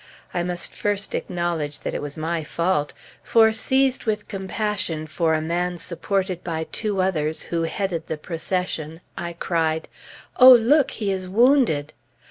I must first acknowledge that it was my fault; for seized with compassion for a man supported by two others who headed the procession, I cried, "Oh, look! he is wounded!"